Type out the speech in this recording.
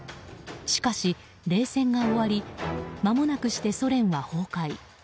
しかし、冷戦が終わり間もなくしてソ連は崩壊。